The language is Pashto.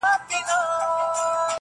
په خــــنــدا كيــسـه شـــــروع كړه_